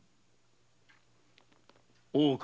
大岡